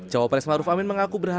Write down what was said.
jawab pak rizwan ruf amin mengaku berhala